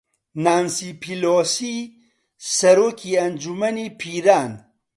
نانسی پیلۆسی سەرۆکی ئەنجومەنی نوێنەران